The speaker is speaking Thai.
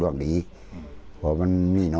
วิทยาลัยศาสตรี